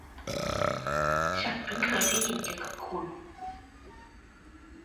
ฉันพึ่งเคยได้ยินเกี่ยวกับคุณ